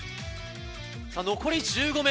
残り１５ｍ。